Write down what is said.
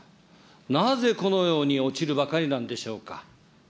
なぜこのように落ちるばかりなんでしょうか。